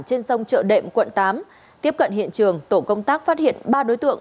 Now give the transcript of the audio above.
trên sông chợ đệm quận tám tiếp cận hiện trường tổ công tác phát hiện ba đối tượng